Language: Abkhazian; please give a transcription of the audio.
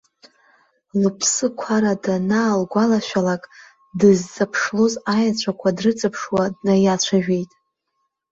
Лыԥсықәара данаалгәалашәалак, дызҵаԥшлоз аеҵәақәа дрыҵаԥшуа днаиацәажәеит.